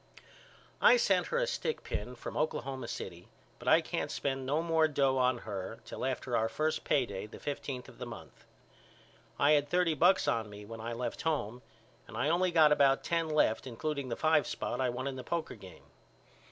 I sent her a stickpin from Oklahoma City but I can't spend no more dough on her till after our first payday the fifteenth of the month. I had thirty bucks on me when I left home and I only got about ten left including the five spot I won in the poker game.